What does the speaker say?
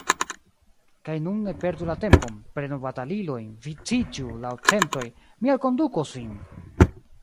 Kaj nun ne perdu la tempon, prenu batalilojn, viciĝu laŭ centoj, mi alkondukos vin!